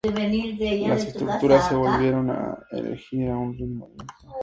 Las estructuras se volvieron a erigir a un ritmo lento.